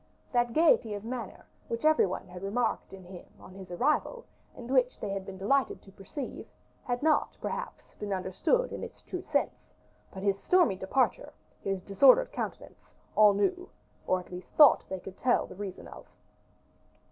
That gayety of manner, which every one had remarked in him on his arrival, and which they had been delighted to perceive, had not perhaps been understood in its true sense: but his stormy departure, his disordered countenance, all knew, or at least thought they could tell the reason of.